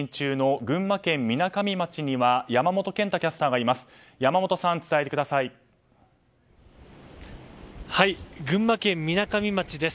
群馬県みなかみ町です。